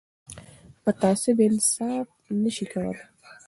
متعصب انصاف نه شي کولای